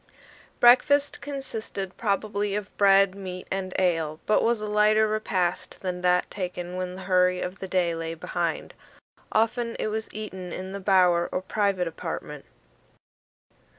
Breakfast consisted probably of bread, meat, and ale, but was a lighter repast than that taken when the hurry of the day lay behind. Often it was eaten in the bower or private apartment.